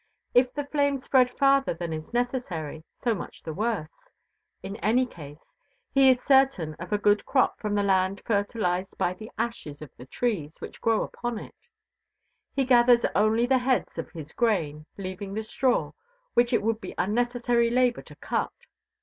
If the flame spread farther than is necessary, so much the worse! In any case he is certain of a good crop from the land fertilized by the ashes of the trees which grow upon it. He gathers only the heads of his grain, leaving the straw, which it would be unnecessary labor to cut.